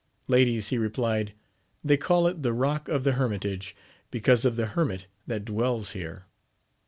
Ladies, he replied, they call it the Eock of the Hermitage, because of the hermit that dwells here.